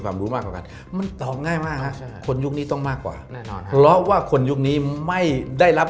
คุณว่ายุคนี้นะ